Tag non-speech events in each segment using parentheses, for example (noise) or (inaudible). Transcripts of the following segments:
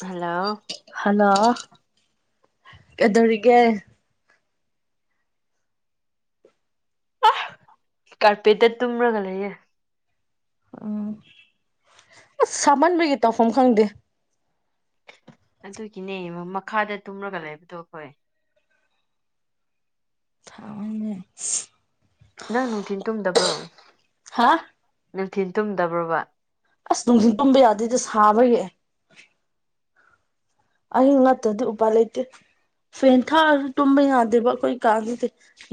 Hello hello ꯀꯩꯗꯧꯔꯤꯒꯦ ꯀꯥꯔꯄꯦꯠꯇ ꯇꯨꯝꯔꯒ ꯂꯩꯌꯦ ꯎꯝ ꯑꯁ ꯁꯥꯃꯟꯕꯒꯤ ꯇꯧꯐꯝ ꯈꯪꯗꯦ ꯑꯗꯨꯒꯤꯅꯦ ꯃꯈꯥꯗ ꯇꯨꯝꯂꯒ ꯂꯩꯕꯗꯣ ꯑꯩꯈꯣꯏ (unintelligible) ꯅꯪ ꯅꯨꯡꯊꯤꯟ ꯇꯨꯝꯗꯕ꯭ꯔꯣ ꯍꯥ ꯅꯨꯡꯊꯤꯟ ꯇꯨꯝꯗꯕ꯭ꯔꯣꯕ ꯑꯁ ꯅꯨꯡꯊꯤꯟ ꯇꯨꯝꯕ ꯌꯥꯗ‌ꯦꯗ ꯁꯥꯕꯒꯤ ꯑꯌꯨꯛ ꯅꯥꯠꯇꯔꯗꯤ ꯎꯄꯥꯏ ꯂꯩꯇꯦ ꯐꯦꯟ ꯊꯥꯛꯑꯁꯨ ꯇꯨꯝꯕ ꯌꯥꯗꯦꯕ ꯑꯩꯈꯣꯏꯀꯥꯟꯁꯤꯗꯤ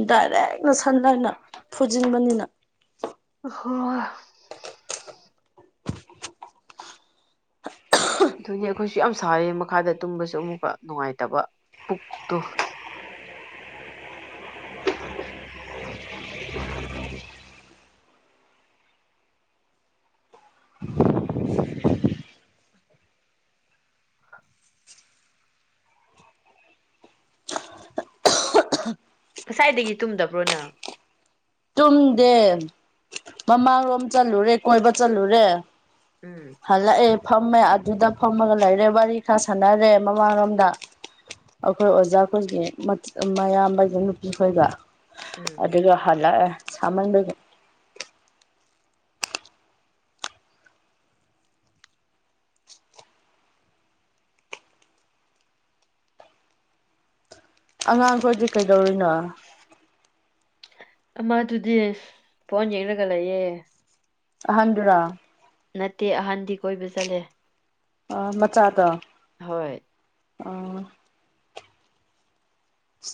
ꯗꯥꯏꯔꯦꯛꯅ ꯁꯟ ꯂꯥꯢꯠ ꯅ ꯐꯨꯖꯤꯟꯕꯅꯤꯅ (unintelligible) ꯑꯗꯨꯅꯦ ꯑꯩꯈꯣꯏꯁꯨ ꯌꯥꯝ ꯁꯥꯔꯦ ꯃꯈꯥꯗ ꯇꯨꯝꯕꯁꯨ ꯑꯃꯨꯛꯀ ꯅꯨꯡꯉꯥꯏꯇꯕ ꯄꯨꯛꯇꯣ ꯉꯁꯥꯏꯗꯒꯤ ꯇꯨꯝꯗꯕ꯭ꯔꯣ ꯅꯪ ꯇꯨꯝꯗꯦ ꯃꯃꯥꯡꯂꯣꯝ ꯆꯠꯂꯨꯔꯦ ꯀꯣꯏꯕ ꯆꯠꯂꯨꯔꯦ ꯎꯝ ꯍꯜꯂꯛꯑꯦ ꯐꯝꯃꯦ ꯑꯗꯨꯗ ꯐꯝꯃꯒ ꯂꯩꯔꯦ ꯋꯥꯔꯤ ꯈꯔ ꯁꯥꯟꯅꯔꯦ ꯃꯃꯥꯡꯂꯣꯝꯗ꯫ ꯑꯩꯈꯣꯏ ꯑꯣꯖꯥꯈꯣꯏꯒꯤ ꯑꯌꯥꯝꯕꯩꯒꯤ ꯅꯨꯄꯤ ꯈꯣꯏꯒ ꯎꯝ ꯑꯗꯨꯒ ꯍꯜꯂꯛꯑꯦ ꯁꯥꯃꯟꯕꯒꯤ꯫ ꯑꯉꯥꯡ ꯈ‌ꯣꯏꯗꯤ ꯀꯩꯗꯧꯔꯤꯅꯣ ꯑꯃ ꯑꯗꯨꯗꯤ ꯐꯣꯟ ꯌꯦꯡꯔꯒ ꯂꯩꯌꯦ꯫ ꯑꯍꯟꯗꯨꯔꯥ ꯅꯠꯇꯦ ꯑꯍꯟꯗꯤ ꯀꯣꯏꯕ ꯆꯠꯂꯦ꯫ ꯑꯣ ꯃꯆꯥꯗ‌ꯣ ꯍꯣꯏ ꯑꯣ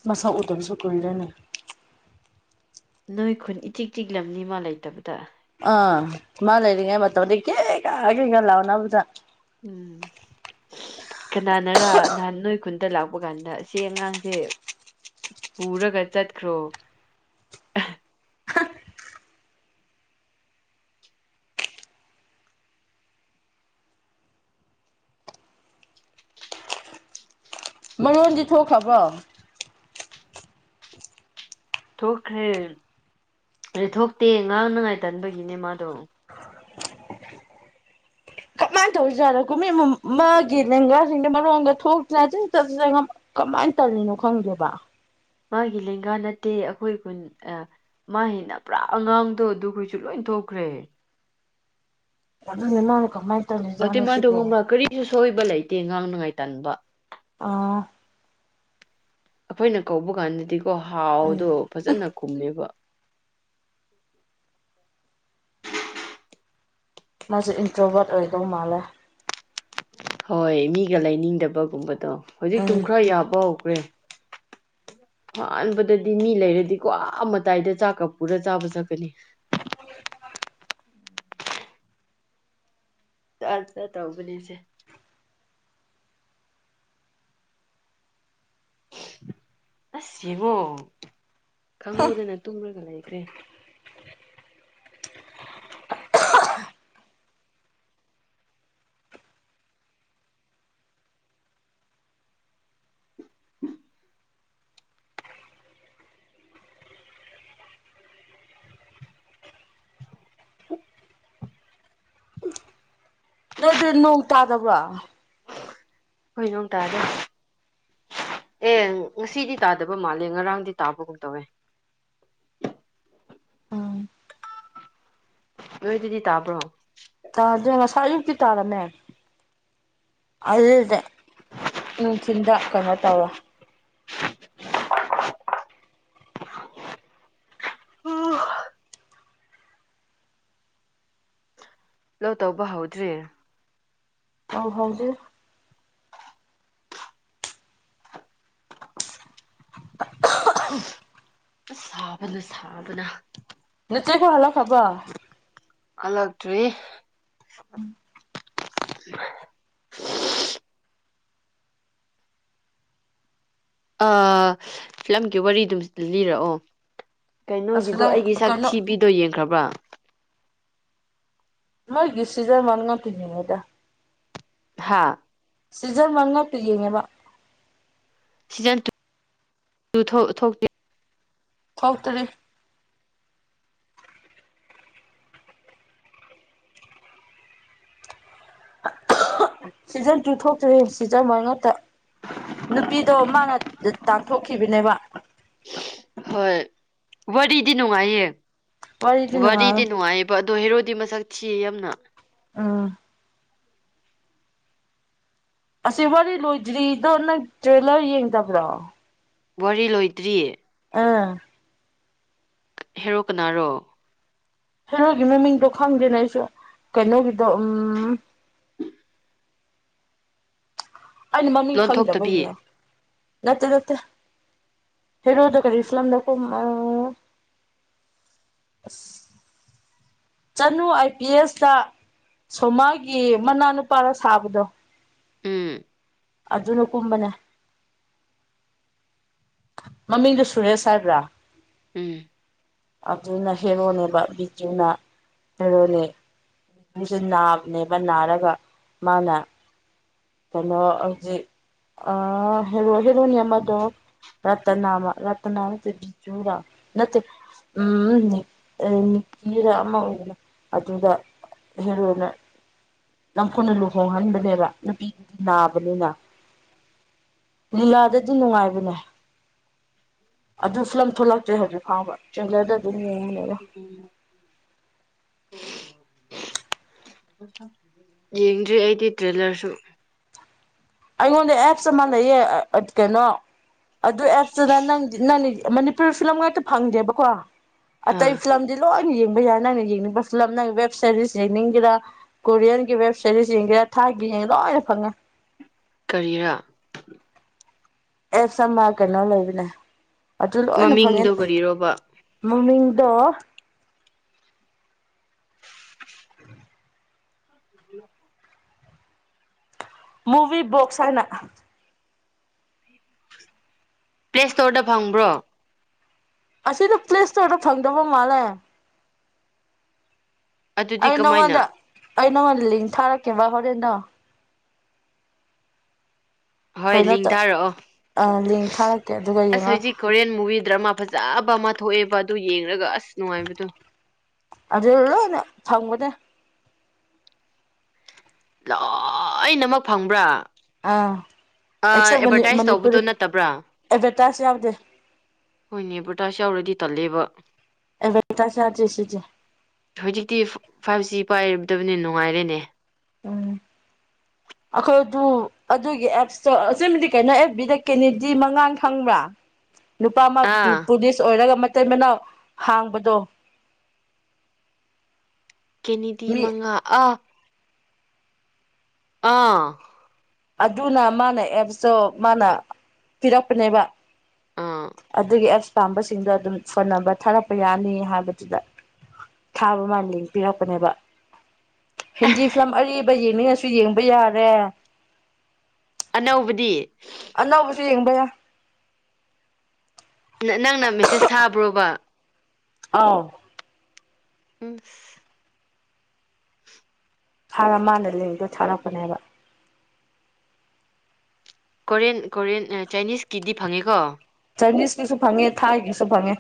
ꯃꯁꯥꯛ ꯎꯗꯕꯁꯨ ꯀꯨꯏꯔ‌ꯦꯅ‌ꯦ꯫ ꯅꯣꯏ ꯈꯨꯟ ꯏꯆꯤꯛ ꯆꯤꯛꯂꯝꯅꯤ ꯃꯥ ꯂꯩꯇꯕꯗ ꯑꯥ ꯃꯥ ꯂꯩꯔꯤꯉꯩ ꯃꯇꯝꯗꯤ ꯀꯦ ꯀꯥ ꯀꯩꯒ ꯂꯥꯎꯅꯕꯗ ꯎꯝ ꯀꯅꯥꯅꯔ ꯅꯍꯥꯟ ꯅꯣꯏ ꯈꯨꯟꯗ ꯂꯥꯛꯄ ꯀꯥꯟꯗ ꯑꯁꯤ ꯑꯉꯥꯡꯁꯦ ꯄꯨꯔꯒ ꯆꯠꯈ꯭ꯔꯣ ꯃꯔꯣꯟꯗꯤ ꯊꯣꯛꯈ꯭ꯔꯕ꯭ꯔꯣ ꯊꯣꯛꯈ꯭ꯔꯦ ꯑ ꯊꯣꯛꯇꯦ ꯉꯥꯡꯅꯉꯥꯏ ꯇꯟꯕꯒꯤꯅꯦ ꯃꯥꯗꯣ ꯀꯃꯥꯏꯅ ꯇꯧꯁꯤꯖꯥꯔꯣ ꯀꯨꯝ ꯃꯥꯒꯤ ꯂꯦꯡꯒꯥꯁꯤꯡ ꯃꯔꯣꯟꯒ ꯊꯣꯛꯇꯅ ꯑꯗꯨꯝ (unintelligible) ꯀꯃꯥꯏꯅ ꯇꯧꯔꯤꯅꯣ ꯈꯪꯗꯦꯕ꯫ ꯃꯥꯒꯤ ꯂꯦꯡꯒꯥ ꯅꯠꯇꯦ ꯑꯩꯈꯣꯏ ꯃꯥ ꯍꯩꯅ ꯄꯨꯔꯥ ꯑꯉꯥꯡꯗꯣ ꯑꯗꯨꯈꯣꯏꯁꯨ ꯂꯣꯏ ꯊꯣꯛꯈ꯭ꯔꯦ ꯑꯗꯨꯅꯦ ꯃꯅꯥ ꯀꯃꯥꯏ ꯑꯗꯨꯗꯤ ꯃꯥꯗꯣ ꯈꯪꯕ꯭ꯔꯥ ꯀꯔꯤꯁꯨ ꯁꯣꯏꯕ ꯂꯩꯇꯦ ꯉꯥꯡꯅꯉꯥꯏ ꯇꯟꯕ ꯑꯣ ꯑꯩꯈꯣꯏꯅ ꯀꯧꯕ ꯀꯥꯟꯗꯗꯤꯀꯣ ꯍꯥꯎꯗꯣ ꯎꯝ ꯐꯖꯅ ꯈꯨꯝꯃꯦꯕ (inaudible) ꯃꯥꯁꯦ ꯏꯟꯇ꯭ꯔꯣꯚꯔꯠ ꯑꯣꯏꯗꯧ ꯃꯥꯂꯦ ꯍꯣꯏ ꯃꯤꯒ ꯂꯩꯅꯤꯡꯗꯕꯒꯨꯝꯕꯗꯣ ꯍꯧꯖꯤꯛꯇꯨꯝ ꯎꯝ ꯈꯔ ꯌꯥꯕ ꯍꯧꯈ꯭ꯔꯦ (inaudible) ꯑꯍꯥꯟꯕꯗꯗꯤ ꯃꯤ ꯂꯩꯔꯗꯤꯀꯣ ꯑ ꯃꯇꯥꯏꯗ ꯆꯥꯛꯀ ꯄꯨꯔ ꯆꯥꯕ ꯆꯠꯀꯅꯤ (unintelligible) (unintelligible) ꯇꯧꯕꯅꯤꯁꯦ ꯑꯁ ꯌꯦꯡꯉꯣ ꯈꯪꯍꯧꯗꯅ ꯇꯨꯝꯔꯒ ꯂꯩꯈ꯭ꯔꯦ (unintelligible) (inaudible) (inaudible) ꯅꯣꯏꯗꯤ ꯅꯣꯡ ꯇꯥꯗꯕ꯭ꯔꯣ ꯑꯩꯈꯣꯏ ꯅꯣꯡ ꯇꯥꯗꯦ ꯑꯦ ꯉꯁꯤꯗꯤ ꯇꯥꯗꯕ ꯃꯥꯜꯂꯦ ꯉꯔꯥꯡꯗꯤ ꯇꯥꯕꯒꯨꯝ ꯇꯧꯋꯦ ꯎꯝ ꯅꯣꯏꯗꯗꯤ ꯇꯥꯕ꯭ꯔꯣ ꯇꯥꯗꯦ ꯉꯁꯥꯏ ꯑꯌꯨꯛꯇꯤ ꯇꯥꯔꯝꯃꯦ (unintelligible) ꯅꯨꯡꯊꯤꯟꯗ ꯀꯩꯅꯣ ꯇꯧꯋꯦ (unintelligible) ꯂꯧ ꯇꯧꯕ ꯍꯧꯗ꯭ꯔꯤ ꯇꯧ ꯍꯧꯗ꯭ꯔꯤ (unintelligible) ꯑꯁ ꯁꯥꯕꯅ ꯁꯥꯕꯅ (unintelligible) ꯍꯜꯂꯛꯈ꯭ꯔꯕꯣ ꯍꯟꯂꯛꯇ꯭ꯔꯤ ꯎꯝ ꯑ ꯐꯤꯂꯝꯒꯤ ꯋꯥꯔꯤꯗꯨꯝ ꯂꯤꯔꯛꯑꯣ ꯑꯁ ꯀꯩꯅꯣꯒꯤꯗꯣ ꯅꯪ ꯑꯩꯒꯤ ꯀꯩꯅꯣ ꯁꯛꯊꯤꯕꯤꯗꯣ ꯌꯦꯡꯈ꯭ꯔꯕ꯭ꯔꯥ ꯃꯣꯏꯒꯤ ꯁꯤꯖꯟ ꯋꯥꯟ ꯉꯥꯛꯇ ꯌꯦꯡꯉꯦꯗ ꯍꯥꯥ ꯁꯤꯖꯟ ꯋꯥꯟ ꯉꯥꯛꯇ ꯌꯦꯡꯉꯦꯕ season (unintelligible) ꯊꯣꯛꯇ꯭ꯔꯤ season two ꯊꯣꯛꯇ꯭ꯔꯤ season one ꯉꯥꯛꯇ ꯅꯨꯄꯤꯗꯣ ꯃꯥꯅ ꯇꯥꯟꯊꯣꯛꯈꯤꯕꯅꯦꯕ ꯍꯣꯏ ꯋꯥꯔꯤꯗꯤ ꯅꯨꯡꯉꯥꯏꯌꯦ ꯋꯥꯔꯤꯗꯤ ꯅꯨꯡꯉꯥꯏ ꯕ ꯑꯗꯣ ꯍꯦꯔꯣꯗꯤ ꯃꯁꯛ ꯊꯤꯌꯦ ꯌꯥꯝꯅ ꯑꯥ ꯑꯁꯤ ꯋꯥꯔꯤ ꯂꯣꯏꯗ꯭ꯔꯤꯗꯣ ꯅꯪ ꯇ꯭ꯔꯦꯂꯔ ꯌꯦꯡꯗꯕ꯭ꯔꯣ ꯋꯥꯔꯤ ꯂꯣꯏꯗ꯭ꯔꯤ ꯑꯥ ꯍꯦꯔꯣ ꯀꯅꯥꯔꯣ ꯍꯦꯔꯣꯒꯤ ꯃꯃꯤꯡꯗꯣ ꯈꯪꯗꯦꯅꯦ ꯑꯩꯁꯨ ꯀꯩꯅꯣꯒꯤꯗꯣ ꯎꯝ ꯑꯩꯅ ꯃꯃꯤꯡ ꯈꯪꯗꯕꯒꯤꯅꯦ ꯂꯣꯟꯊꯣꯛꯇꯕꯤ ꯅꯠꯇꯦ ꯅꯠꯇꯦ ꯍꯦꯔꯣꯗ ꯀꯔꯤ ꯐꯤꯂꯝꯗ ꯀꯨꯝ (inaudible) ꯆꯥꯅꯨ ꯑꯥꯏ ꯄꯤ ꯑꯦꯁꯇ ꯁꯣꯃꯥꯒꯤ ꯃꯅꯥꯅꯨꯄꯥꯔ ꯁꯥꯕꯗꯣ ꯎꯝ ꯑꯗꯨꯅ ꯀꯨꯝꯕꯅꯦ ꯃꯃꯤꯡꯗꯨꯣ ꯁꯨꯔꯦꯁ ꯍꯥꯏꯕ꯭ꯔꯥ ꯎꯝ ꯑꯗꯨꯅ ꯍꯦꯔꯣꯅꯦꯕ ꯕꯤꯖꯨꯅ ꯍꯦꯔꯣꯏꯅꯤ ꯑꯗꯨꯁꯨ ꯅꯥꯕꯅꯦꯕ ꯅꯥꯔꯒ ꯃꯥꯅ ꯀꯩꯅꯣ ꯑꯥ ꯍꯦꯔꯣ ꯍꯦꯔꯅꯤꯃꯗꯣ ꯔꯠꯇꯅꯥꯃ ꯔꯠꯇꯅꯥꯔ ꯅꯠꯇꯦ ꯎꯝ ꯅꯤꯀꯤꯔ ꯑꯃ ꯑꯣꯏꯗꯅ ꯑꯗꯨꯗ ꯍꯦꯔꯣꯗ ꯅꯝꯗꯨꯅ ꯂꯨꯍꯣꯡꯍꯟꯕꯅꯦꯕ ꯅꯨꯄꯤꯗꯨꯗꯤ ꯅꯥꯕꯅꯤꯅ (inaudible) ꯂꯤꯂꯥꯗꯗꯤ ꯅꯨꯡꯉꯥꯏꯕꯅꯦ ꯑꯗꯨ ꯐꯤꯂꯝ ꯊꯣꯛꯂꯛꯇ꯭ꯔꯦ ꯍꯧꯖꯤꯛ ꯐꯥꯎꯕ ꯆꯇꯔꯦꯖꯔꯗ ꯑꯗꯨꯝ ꯌꯦꯡꯕꯅꯤꯅ (unintelligible) ꯌꯦꯡꯗ꯭ꯔꯤ ꯑꯩꯗꯤ ꯇ꯭ꯔꯦꯂꯔꯁꯨ ꯑꯩꯉꯣꯟꯗ ꯑꯦꯞꯁ ꯑꯃ ꯂꯩꯌꯦ ꯀꯩꯅꯣ ꯑꯗꯨ ꯑꯦꯞꯁꯇꯨꯗ ꯅꯪ ꯅꯪ ꯐꯤꯂꯝ ꯉꯥꯛꯇ ꯐꯪꯗꯦꯕꯀꯣ ꯑꯇꯩ ꯑꯥ ꯐꯤꯂꯝ ꯁꯤ ꯂꯣꯏꯅ ꯌꯦꯡꯕ ꯌꯥꯏ ꯅꯪꯅ ꯌꯦꯡꯅꯤꯡꯕ ꯐꯤꯂꯝ ꯅꯪ ꯋꯦꯕ ꯁꯦꯔꯤꯁ ꯌꯦꯡꯅꯤꯡꯒꯦꯔꯥ ꯀꯣꯔꯤꯌꯟꯒꯤ ꯋꯦꯕ ꯁꯦꯔꯤꯁ ꯌꯦꯡꯁꯤꯦ ꯊꯥꯏꯒꯤ ꯌꯦꯡ ꯂꯣꯏꯅ ꯐꯪꯉꯦ ꯀꯔꯤꯔ ꯑꯦꯁꯃ ꯀꯩꯅꯣ ꯂꯩꯕꯅꯦ ꯑꯗꯨ ꯂꯣꯏꯅ ꯐꯪꯉꯤꯅ ꯃꯃꯤꯡꯗꯣ ꯀꯔꯤꯔꯣꯕ ꯃꯃꯤꯗꯣ ꯃꯨꯚ ꯕꯣꯛꯁ ꯍꯥꯏꯅ ꯄ꯭ꯂꯦ ꯁ꯭ꯇꯣꯔꯗ ꯐꯪꯕ꯭ꯔꯣ ꯑꯁꯤꯗ ꯄ꯭ꯂꯦ ꯁ꯭ꯇꯣꯔ ꯐꯪꯗꯕ ꯃꯥꯜꯂꯦ ꯑꯗꯨꯗꯤ ꯑꯩ ꯀꯃꯥꯏꯅ ꯅꯪꯉꯣꯟꯗ ꯑꯩ ꯅꯪꯉꯣꯟꯗ ꯂꯤꯡ ꯊꯥꯔꯛꯀꯦꯕ ꯍꯣꯔꯦꯟꯗꯣ ꯍꯣꯏ ꯀꯩꯅꯣ ꯇꯧ ꯂꯤꯡꯊꯥꯔꯛꯑꯣ ꯑ ꯂꯤꯡ ꯊꯥꯔꯛꯀꯦ ꯑꯗꯨꯒ ꯑꯁ ꯌꯦꯡꯉꯣ ꯍꯧꯖꯤꯛ ꯀꯣꯔꯤꯌꯟ ꯃꯨꯚꯤ ꯗ꯭ꯔꯃꯥ ꯐꯖꯕ ꯑꯃ ꯊꯣꯛꯑꯦꯕ ꯑꯗꯨ ꯌꯦꯡꯂꯡꯒ ꯑꯁ ꯅꯨꯡꯉꯥꯏꯕꯗꯣ ꯑꯗꯨ ꯂꯣꯏꯅ ꯊꯝꯒꯅꯦ ꯂꯣꯏꯅꯃꯛ ꯐꯪꯕ꯭ꯔꯥ ꯑꯥ ꯑꯥ ꯑꯩꯛꯁꯦꯟ ꯑꯦꯗꯚꯔꯇꯥꯏꯁ ꯃꯅꯤꯄꯨꯔꯤ ꯇꯧꯕꯗꯣ ꯅꯠꯇꯕ꯭ꯔꯥ ꯑꯦꯗꯚꯔꯇꯥꯏꯖ ꯌꯥꯎꯗꯦ ꯍꯣꯏꯅꯦ ꯑꯦꯗꯚꯔꯇꯥꯏꯁ ꯌꯥꯎꯔꯗꯤ ꯇꯜꯂꯦꯕ ꯑꯦꯕꯦꯔꯇꯥꯁ (unintelligible) ꯍꯧꯖꯤꯛꯇꯤ ꯐꯥꯏꯚ ꯖꯤ ꯄꯥꯏꯔꯗꯕꯅꯤ ꯅꯨꯡꯉꯥꯏꯔꯦꯅꯦ ꯎꯝ ꯑꯩꯈꯣꯏꯗꯨ ꯑꯗꯨꯒꯤ ꯑꯦꯞꯁꯇꯣ ꯑꯆꯗꯤ ꯀꯩꯅꯣ ꯑꯦꯐ ꯕꯤꯗ ꯀꯦꯅꯤꯗꯤ ꯃꯉꯥꯟ ꯐꯪꯕ꯭ꯔꯥ ꯅꯨꯄꯥ ꯑꯃ ꯑꯥ ꯄꯨꯂꯤꯁ ꯑꯣꯏꯔꯒ ꯃꯇꯩ ꯃꯅꯥꯎ ꯍꯥꯡꯕꯗꯣ ꯀꯦꯅꯤꯗꯤ ꯃꯤ ꯃꯉꯥ ꯑꯥ ꯑꯥ ꯑꯗꯨꯅ ꯃꯥꯅ ꯑꯦꯞꯇꯣ ꯃꯥꯅ ꯄꯤꯔꯛꯄꯅꯦꯕ ꯑꯥ ꯑꯗꯨꯒꯤ ꯑꯦꯞꯁ ꯄꯥꯝꯕꯁꯤꯡꯗ ꯑꯗꯨꯝ ꯐꯅꯕ ꯊꯥꯔꯛꯄ ꯌꯥꯅꯤ ꯍꯥꯏꯕꯗꯨꯗ ꯊꯥꯕ ꯃꯥꯜꯂꯤ ꯄꯤꯔꯛꯄꯅꯦꯕ ꯍꯤꯟꯗꯤ ꯐꯤꯂꯝ ꯑꯔꯤꯕ ꯌꯦꯡꯅꯤꯡꯉꯁꯨ ꯌꯦꯡꯕ ꯌꯥꯔꯦ ꯑꯅꯧꯕꯗꯤ ꯑꯅꯧꯕꯁꯨ ꯌꯦꯡꯕ ꯌꯥ ꯅꯪꯅ ꯃꯦꯁꯦꯁ ꯊꯥꯕ꯭ꯔꯣꯕ ꯑꯥꯎ ꯎꯝ ꯊꯔ ꯃꯥꯅ ꯂꯩꯕꯗꯣ ꯊꯥꯔꯛꯄꯅꯦꯕ ꯀꯣꯔꯤꯌꯟ ꯀꯣꯔꯤꯌꯟ ꯆꯥꯏꯅꯤꯁꯀꯤꯗꯤ ꯐꯪꯉꯦꯀꯣ ꯆꯥꯏꯅꯤꯁꯀꯤꯁꯨ ꯐꯪꯉꯦ ꯊꯥꯏꯒꯤꯁꯨ ꯐꯪꯉꯦ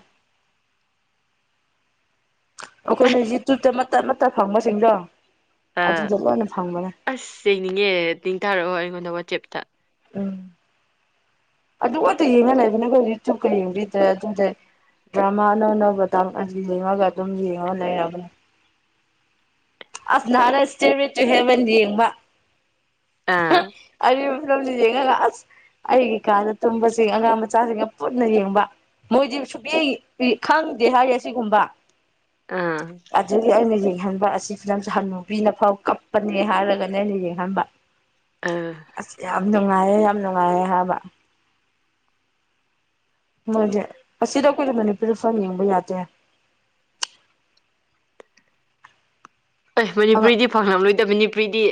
ꯑꯩꯈꯣꯏꯅ ꯌꯨꯇ꯭ꯌꯨꯕꯇ ꯃꯇꯠ ꯃꯇꯠ ꯐꯪꯕꯁꯤꯡꯗꯣ ꯑꯥ ꯑꯗꯨꯗ ꯂꯣꯏꯅ ꯐꯪꯕꯅꯦ ꯑꯁ ꯌꯦꯡꯅꯤꯡꯉꯦ ꯂꯤꯡ ꯊꯥꯔꯛꯑꯣ ꯑꯩꯉꯣꯟꯗ ꯋꯥꯆꯦꯞꯇ ꯎꯝ ꯑꯗꯨ ꯉꯛꯇ ꯌꯦꯡꯉꯒ ꯂꯩꯕꯅꯦꯀꯣ ꯌꯨꯇ꯭ꯌꯨꯕꯀ ꯌꯦꯡꯕꯤꯗ꯭ꯔꯦ ꯑꯗꯨꯗꯤ ꯗ꯭ꯔꯃꯥ ꯑꯅꯧ ꯑꯅꯧꯕ ꯇꯥꯛ ꯌꯦꯡꯉꯒ ꯑꯗꯨꯝ ꯌꯦꯡꯉꯒ ꯂꯩꯔꯕꯅꯦ ꯑꯁ ꯅꯥꯥꯍꯥꯟ (unintelligible) ꯍꯦꯕꯟ ꯌꯦꯡꯕ ꯑꯥ ꯑꯗꯨ ꯐꯤꯂꯝꯗꯣ ꯌꯦꯡꯉꯒꯥ ꯑꯁ ꯑꯩꯒꯤ ꯀꯥꯗ ꯇꯨꯝꯕꯁꯤꯡ ꯑꯉꯥꯡ ꯃꯆꯥꯁꯤꯡꯒ ꯄꯨꯟꯅ ꯌꯦꯡꯕ ꯃꯣꯏꯗꯤ ꯁꯨꯛꯌꯦꯡ ꯈꯪꯗꯦ ꯍꯥꯏ ꯑꯁꯤꯒꯨꯝꯕ ꯑꯥ ꯑꯗꯨꯒꯤ ꯑꯩꯅ ꯌꯦꯡꯍꯟꯕ ꯑꯁꯤ ꯐꯤꯂꯝꯁꯦ ꯍꯥꯅꯨꯕꯤꯅ ꯐꯥꯎ ꯀꯞꯄꯅꯦ ꯍꯥꯏꯔꯒꯅꯦ ꯑꯩꯅ ꯌꯦꯡꯍꯟꯕ ꯑꯥ ꯑꯁ ꯌꯥꯝ ꯅꯨꯡꯉꯥꯏꯌꯦ ꯌꯥꯝ ꯅꯨꯡꯉꯥꯏꯌꯦ ꯍꯥꯏꯕ ꯃꯣꯏꯗꯤ ꯑꯁꯤꯗ ꯑꯩꯈꯣꯏ ꯃꯅꯤꯄꯨꯔꯤ ꯐꯥꯎ ꯌꯦꯡꯕ ꯌꯥꯗꯦ ꯑꯦ ꯑꯉꯥꯡ ꯃꯅꯤꯄꯨꯔꯤꯗꯤ ꯐꯪꯉꯂꯣꯏꯗꯕ ꯃꯅꯤꯄꯨꯔꯤꯗꯤ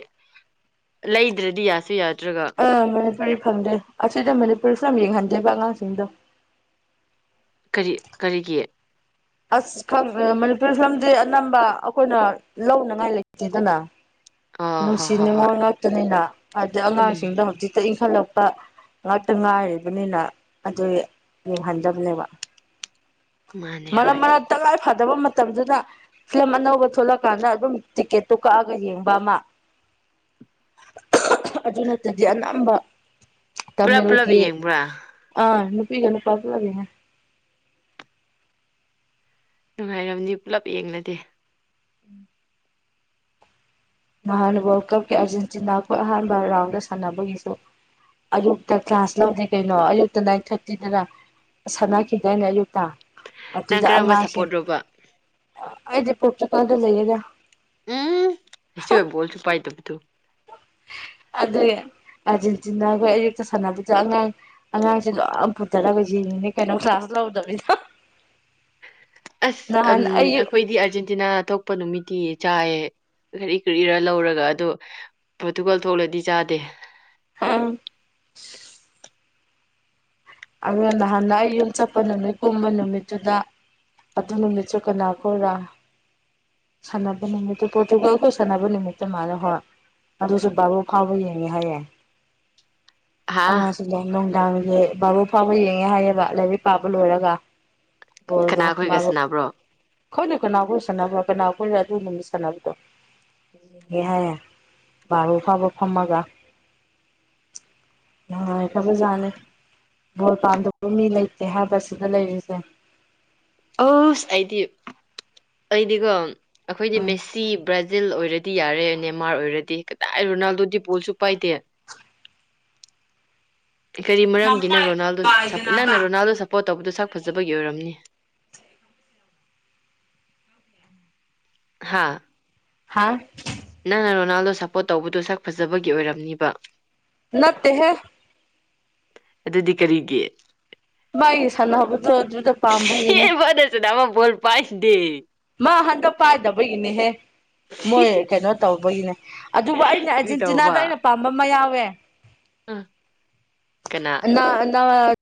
ꯂꯩꯗ꯭ꯔꯗꯤ ꯌꯥꯁꯨ ꯌꯥꯗ꯭ꯔꯒ ꯑꯥ ꯃꯅꯤꯄꯨꯔꯤ ꯐꯪꯗꯦ ꯑꯁꯤꯗ ꯃꯅꯤꯄꯨꯔꯤ ꯐꯤꯂꯝ ꯌꯦꯡꯍꯟꯗꯦꯕ ꯑꯉꯥꯡꯁꯤꯡꯗꯣ ꯀꯔꯤ ꯀꯔꯤꯒꯤ ꯑꯁ ꯈꯪ ꯃꯅꯤꯄꯨꯔꯤ ꯐꯤꯂꯝꯗꯤ ꯑꯅꯝꯕ ꯑꯩꯈꯣꯏꯅ ꯂꯧꯅꯉꯥꯏ ꯂꯩꯇꯦꯗꯅ ꯑꯥ ꯍꯣꯏ ꯅꯨꯡꯁꯤ ꯍꯣꯏ ꯍꯣꯏ ꯅꯤꯉꯣꯜ ꯉꯥꯛꯇꯅꯤꯅ ꯍꯥꯏꯗꯤ ꯎꯝ ꯑꯉꯥꯡꯁꯤꯡꯗ ꯍꯧꯖꯤꯛꯇ ꯏꯪꯈꯠꯂꯛꯄ ꯉꯥꯛꯇ ꯉꯥꯏꯔꯤꯕꯅꯤꯅ ꯑꯗꯨꯒꯤ ꯌꯦꯡꯍꯟꯗꯕꯅꯦꯕ ꯃꯥꯅꯦ ꯃꯔꯛ ꯍꯣꯏ ꯃꯔꯛꯇ ꯇꯉꯥꯏ ꯐꯗꯕ ꯃꯇꯝꯗꯨꯗ ꯐꯤꯂꯝ ꯑꯅꯧꯕ ꯊꯣꯛꯣꯂꯛꯀꯥꯟꯗ ꯑꯗꯨꯝ ꯇꯤꯛꯀꯦꯠꯇꯣ ꯀꯛꯑꯒ ꯌꯦꯡꯕ ꯑꯃ ꯑꯗꯨ ꯅꯠꯇꯗꯤ ꯑꯅꯝꯕ ꯄꯨꯂꯞ ꯄꯨꯂꯞ ꯇꯃꯤꯜꯒꯤ ꯌꯦꯡꯕ꯭ꯔꯥ ꯑꯥ ꯅꯨꯄꯤꯒ ꯅꯨꯄꯥ ꯄꯨꯜꯂ ꯌꯦꯡꯉꯦ ꯅꯨꯡꯉꯥꯏꯔꯝꯅꯤ ꯄꯨꯂꯞ ꯌꯦꯡꯂꯗꯤ ꯅꯍꯥꯟ ꯋꯥꯔꯜ ꯀꯞꯀꯤ ꯑꯥꯔꯖꯦꯟꯇꯤꯅ ꯈꯣꯏ ꯑꯍꯥꯟꯕ ꯔꯥꯎꯟꯗ ꯁꯥꯟꯅꯕꯒꯤꯁꯨ ꯑꯌꯨꯛꯇ ꯀ꯭ꯂꯥꯁ ꯂꯧꯗꯦ ꯀꯩꯅꯣ ꯑꯌꯨꯛꯇ ꯅꯥꯏꯟ ꯊꯥꯔꯇꯤꯗꯅ ꯁꯥꯟꯅꯈꯤꯗꯅꯦ ꯑꯌꯨꯛꯇꯥ ꯅꯪ ꯑꯗꯨꯗ ꯀꯔꯝꯕ ꯑꯉꯥꯡꯁꯦ ꯁꯞꯄꯣꯔꯠꯔꯣꯕ ꯑꯩꯗꯤ ꯄꯨꯛꯀꯤ ꯄꯥꯜꯗ ꯂꯩꯔꯥꯒ ꯎꯝ ꯃꯦꯁꯤ ꯕꯣꯜꯁꯨ ꯄꯥꯏꯇꯕꯗꯨ ꯑꯥꯗꯨꯏ ꯑꯥꯔꯖꯦꯟꯇꯤꯅꯒ ꯑꯌꯨꯛꯇ ꯁꯥꯟꯅꯕꯗꯨ ꯑꯉꯥꯡ ꯑꯉꯥꯡꯁꯦ ꯂꯣꯏ ꯄꯨꯊꯔꯒ ꯌꯦꯡꯉꯤꯅꯤ ꯀꯩꯅꯣ ꯀ꯭ꯂꯥꯁ ꯂꯧꯗꯕꯤꯗ ꯑꯁ ꯑꯝ ꯅꯍꯥꯟ ꯑꯩ ꯑꯩꯈꯣꯏꯗꯤ ꯑꯥꯔꯖꯦꯟꯇꯤꯅꯥ ꯊꯣꯛ ꯄ ꯅꯨꯃꯤꯠꯇꯤ ꯆꯥꯏꯌꯦ ꯀꯔꯤ ꯀꯔꯤꯔ ꯂꯧꯔꯒ ꯑꯗꯣ ꯄꯣꯔꯇꯨꯒꯜ ꯊꯣꯛꯂꯗꯤ ꯆꯥꯗꯦ ꯑꯥ ꯑꯗꯨꯒꯥ ꯅꯍꯥꯟꯗ ꯑꯩ ꯌꯨꯝ ꯆꯠꯄ ꯅꯨꯃꯤꯠ ꯀꯨꯝꯕ ꯅꯨꯃꯤꯠꯇꯨꯗ ꯑꯗꯨ ꯅꯨꯃꯤꯠꯁꯨ ꯀꯅꯥ ꯈꯣꯏꯔꯥ ꯁꯥꯟꯅꯕ ꯅꯨꯃꯤꯇꯣ ꯄꯣꯔꯇꯨꯒꯜ ꯀ ꯁꯥꯟꯅꯕ ꯅꯨꯃꯤꯇꯣ ꯃꯥꯜꯂꯦ ꯍꯣꯏ ꯑꯗꯨꯁꯨ ꯕꯥꯕꯣꯛ ꯐꯥꯎꯕ ꯌꯦꯡꯉꯦ ꯍꯥꯏꯌꯦ ꯍꯥ ꯑꯥ ꯑꯗꯨꯗꯣ ꯅꯨꯡꯗꯥꯡꯒꯤ ꯕꯥꯔꯣ ꯐꯥꯎꯕ ꯌꯦꯡꯉꯦ ꯍꯥꯏꯌꯦꯕ ꯂꯥꯏꯔꯤꯛ ꯄꯥꯕ ꯂꯣꯏꯔꯒ ꯕꯣꯜꯒꯥ ꯀꯅꯥꯈꯣꯏꯒ ꯕꯥꯔꯣ ꯁꯥꯟꯅꯕ꯭ꯔꯣ ꯈꯪꯗꯦ ꯀꯅꯥꯒꯨꯝꯕꯥ ꯁꯥꯟꯅꯕ ꯀꯅꯥꯒꯨꯝ ꯑꯗꯨ ꯅꯨꯃꯤꯠ ꯁꯥꯟꯅꯕꯗꯣ ꯍꯦ ꯍꯥꯏꯌꯦ ꯕꯥꯔꯣ ꯐꯥꯎꯕ ꯐꯝꯃꯒ ꯅꯨꯡꯉꯥꯏꯈꯔꯥꯕ ꯖꯥꯠꯅꯦ ꯕꯣꯜꯄꯥꯟꯗꯕꯨ ꯃꯤ ꯂꯩꯇꯦ ꯍꯥꯏꯕ ꯁꯤꯗ ꯂꯩꯔꯤꯁꯦ ꯑꯁ ꯑꯩꯗꯤ ꯑꯩꯗꯤꯀꯣ ꯑꯩꯈꯣꯏꯗꯤ ꯎꯝ ꯃꯦꯁꯤ ꯕ꯭ꯔꯖꯤ ꯍꯖꯤꯦꯜ ꯑꯣꯏꯔꯗꯤ ꯌꯥꯔꯦ ꯅꯦꯃꯥꯔ ꯑꯣꯏꯔꯗꯤ ꯀꯗꯥꯏ ꯔꯣꯅꯥꯜꯗꯣ ꯗꯤ ꯄꯣꯜꯁꯨ ꯄꯥꯏꯗꯦ ꯀꯔꯤ ꯅꯃꯥꯏ ꯃꯔꯝꯒꯤꯅꯪ ꯔꯣꯅꯥꯜꯗꯣ ꯊꯨꯒꯥꯏꯗꯅꯕ ꯅꯪꯅ ꯔꯣꯅꯥꯜꯗꯣ ꯁꯞꯄꯣꯔꯠ ꯇꯧꯕꯗꯣ ꯁꯛ ꯐꯖꯕꯒꯤ ꯑꯣꯏꯔꯝꯅꯤ ꯍꯥꯥ ꯍꯥꯥ ꯅꯪꯅ ꯔꯣꯅꯥꯜꯗꯣ ꯁꯞꯄꯣꯔꯠ ꯇꯧꯕꯗꯣ ꯁꯛ ꯐꯖꯕꯒꯤ ꯑꯣꯏꯔꯝꯅꯤꯕ ꯅꯠꯇꯦ ꯍꯦ ꯑꯗꯨꯗꯤ ꯀꯔꯤꯒꯤ ꯚꯥꯏ ꯁꯥꯟꯅꯅꯕꯕꯗꯣ ꯑꯗꯨꯗ ꯄꯥꯝꯕꯒꯤꯅꯦ ꯑꯗꯨꯗꯥ ꯕꯣꯜ ꯄꯥꯏꯗꯨꯗꯤ ꯃꯥ ꯍꯟꯗꯛ ꯄꯥꯏꯗꯕꯒꯤꯅꯦꯍꯦ ꯃꯣꯏ ꯀꯩꯅꯣ ꯇꯧꯕꯒꯤꯅꯦ ꯑꯗꯨꯕꯨ ꯑꯩꯅ ꯀꯔꯤ ꯑꯔꯖꯦꯟꯇꯤꯅꯥꯗ ꯑꯩꯅ ꯄꯥꯝꯕ ꯑꯃ ꯌꯥꯎꯋꯦ ꯎꯝ ꯀꯅꯥ (unintelligible)